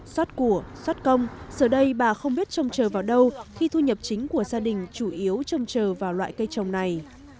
xót của xót công giờ đây bà không biết trông chờ vào đâu khi thu nhập chính của gia đình chủ yếu trông chờ vào loại cây trồng này